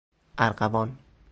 ارغوان